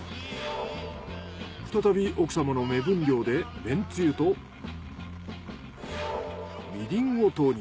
再び奥様の目分量でめんつゆとみりんを投入。